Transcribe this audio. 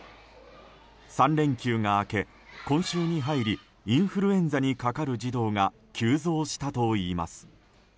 ３連休が明け、今週に入りインフルエンザにかかる児童が急増したといいます。